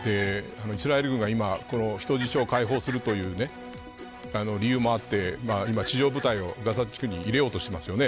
イスラエル軍が、今人質を解放するという理由もあって今、地上部隊をガザ地区に入れようとしていますよね。